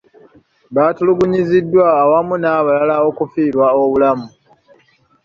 Batulugunyiziddwa awamu n'abalala okufiirwa obulamu.